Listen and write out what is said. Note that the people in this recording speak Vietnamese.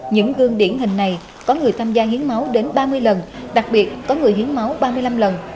những gương điển hình này có người tham gia hiến máu đến ba mươi lần đặc biệt có người hiến máu ba mươi năm lần